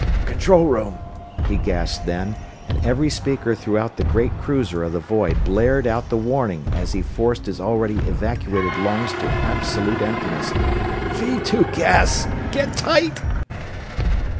"Control room!" he gasped then, and every speaker throughout the great cruiser of the void blared out the warning as he forced his already evacuated lungs to absolute emptiness. "Vee Two Gas! Get tight!"